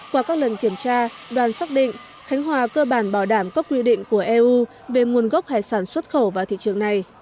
qua các lần kiểm tra đoàn xác định khánh hòa cơ bản bảo đảm các quy định của eu về nguồn gốc hải sản xuất khẩu vào thị trường này